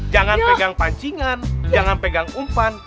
jangan pegang pancingan jangan pegang umpan